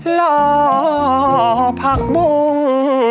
หล่อผักบุ้ง